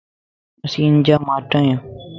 اسين ھنجا ماٽ ايا